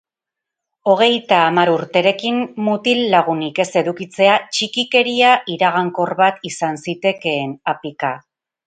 Hogeita hamar urterekin mutil-lagunik ez edukitzea txikikeria iragankor bat izan zitekeen, apika.